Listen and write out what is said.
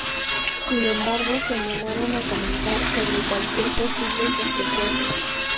Sin embargo, se negaron a comentar sobre cualquier posibles sospechosos.